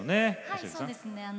はいそうですね。